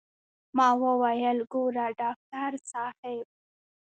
ما وويل ګوره ډاکتر صاحب.